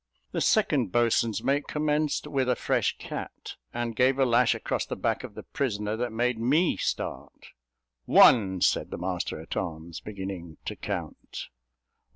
The second boatswain's mate commenced, with a fresh cat, and gave a lash across the back of the prisoner, that made me start. "One," said the master at arms, beginning to count.